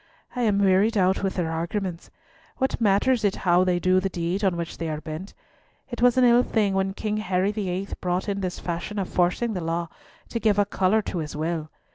"I am wearied out with their arguments. What matters it how they do the deed on which they are bent? It was an ill thing when King Harry the Eighth brought in this fashion of forcing the law to give a colour to his will!